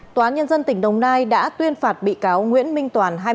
tòa nhân dân tỉnh đồng nai đã tuyên phạt bị cáo nguyễn minh toàn